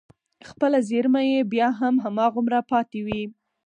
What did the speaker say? خپله زېرمه يې بيا هم هماغومره پاتې وي.